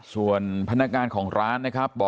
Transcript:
ส่วนพนักงานของร้านนะครับ